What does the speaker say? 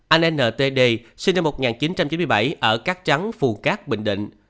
một mươi năm anh n t d sinh năm một nghìn chín trăm chín mươi bảy ở cát trắng phù cát bình định